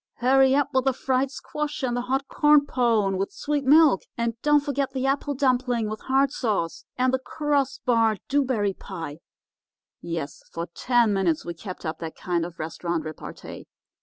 'Hurry up with the fried squash, and the hot corn pone with sweet milk, and don't forget the apple dumpling with hard sauce, and the cross barred dew berry pie—' "Yes, for ten minutes we kept up that kind of restaurant repartee.